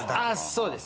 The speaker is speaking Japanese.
そうです。